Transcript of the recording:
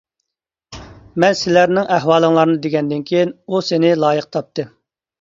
مەن سىلەرنىڭ ئەھۋالىڭلارنى دېگەندىن كېيىن، ئۇ سېنى لايىق تاپتى.